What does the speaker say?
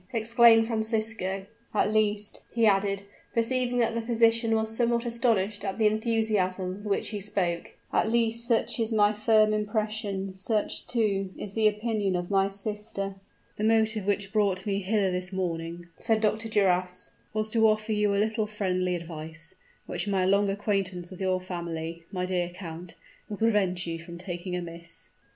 exclaimed Francisco. "At least," he added, perceiving that the physician was somewhat astonished at the enthusiasm with which he spoke "at least, such is my firm impression; such, too, is the opinion of my sister." "The motive which brought me hither this morning," said Dr. Duras, "was to offer you a little friendly advice, which my long acquaintance with your family, my dear count, will prevent you from taking amiss."